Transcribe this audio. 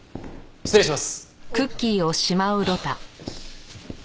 失礼します。